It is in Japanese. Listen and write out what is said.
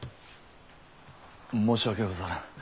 申し訳ござらん。